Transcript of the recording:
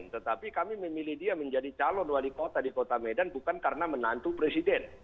tetapi kami memilih dia menjadi calon wali kota di kota medan bukan karena menantu presiden